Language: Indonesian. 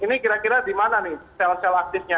ini kira kira di mana nih sel sel aktifnya